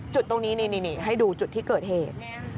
จุดตรงนี้นี่ให้ดูจุดที่เกิดเหตุ